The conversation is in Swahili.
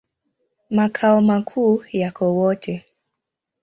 Makao makuu yako Wote.